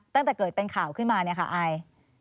ตั้งแต่เกิดเป็นข่าวขึ้นมาเนี่ยค่ะอาย